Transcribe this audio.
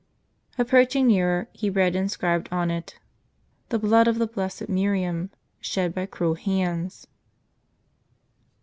Approaching nearer, he read inscribed on it :" The blood or the blessed Miriam, shed by cruel HANDS